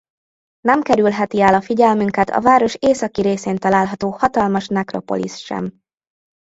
Nem kerülheti el a figyelmünket a város északi részén található hatalmas nekropolisz sem.